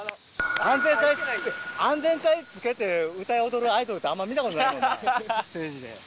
安全帯着けて歌い踊るアイドルってあんま見たことないステージで。